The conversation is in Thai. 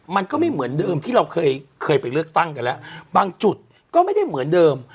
มันก็ไม่เหมือนเดิมที่เราเคยไปเลือกตั้งกันแล้วบางจุดก็ไม่ได้เหมือนเดิม